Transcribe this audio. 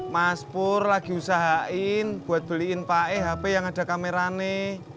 mas pur lagi usahain buat beliin pak e hp yang ada kamerane